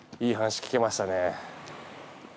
いい話聞けましたね。